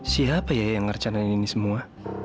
siapa ya yang ngercanain ini semua